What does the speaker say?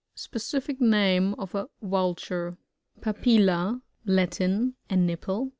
— Specific name of a Vulture. Papilla. — Latin. A nipple.